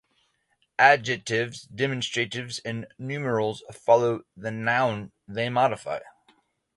Adjectives, demonstratives and numerals follow the noun they modify.